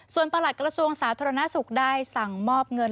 ส่วนประหลัดกระทรวงสาธารณสุขได้สั่งมอบเงิน